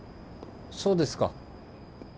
そうですか。